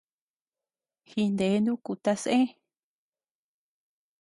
Jine nuku tasé.